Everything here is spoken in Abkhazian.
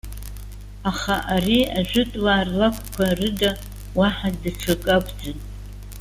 Аха ари, ажәытәуаа рлакәқәа рыда уаҳа даҽакы акәӡам.